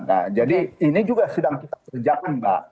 nah jadi ini juga sedang kita kerjakan mbak